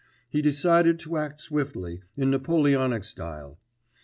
He decided to act swiftly, in Napoleonic style.